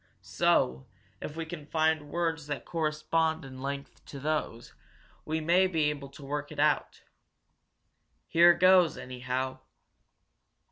So, if we can find words that correspond in length to those, we may be able to work it out. Here goes, anyhow!"